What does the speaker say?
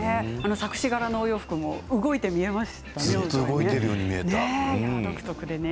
錯視柄のお洋服も動いているように見えましたね。